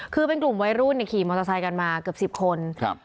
คือเป็นกลุ่มวัยรุ่นเนี่ยขี่มอเตอร์ไซค์กันมาเกือบสิบคนครับ